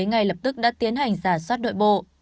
ngay lập tức đã tiến hành giả soát đội bộ